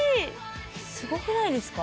すごくないですか？